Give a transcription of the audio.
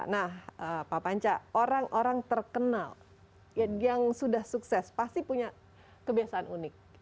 nah pak panca orang orang terkenal yang sudah sukses pasti punya kebiasaan unik